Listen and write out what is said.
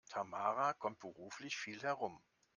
Tamara kommt beruflich viel herum.